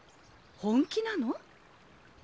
本気なの？